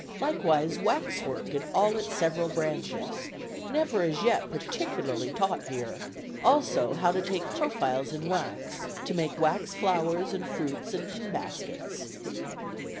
Likewise waxwork in all its several branches, never as yet particularly taught here; also how to take profiles in wax, to make wax flowers and fruits and pinbaskets."